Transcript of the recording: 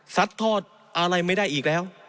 ทอดอะไรไม่ได้อีกแล้ว